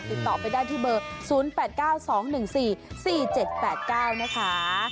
ติดต่อไปได้ที่เบอร์๐๘๙๒๑๔๔๗๘๙นะคะ